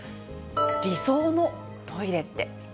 理想のトイレって？